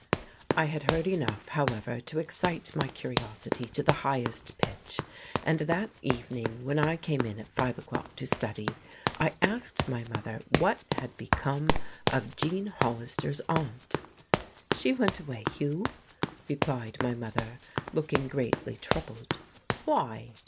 I had heard enough, however, to excite my curiosity to the highest pitch. And that evening, when I came in at five o'clock to study, I asked my mother what had become of Gene Hollister's aunt. "She went away, Hugh," replied my mother, looking greatly troubled. "Why?"